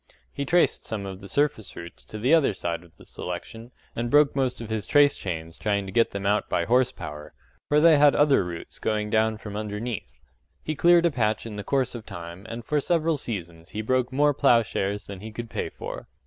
He traced some of the surface roots to the other side of the selection, and broke most of his trace chains trying to get them out by horse power for they had other roots going down from underneath. He cleared a patch in the course of time and for several seasons he broke more ploughshares than he could pay for.